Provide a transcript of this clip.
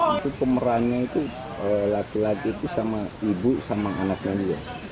itu pemerannya itu laki laki itu sama ibu sama anaknya dia